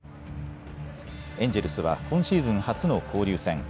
エンジェルスは今シーズン初の交流戦。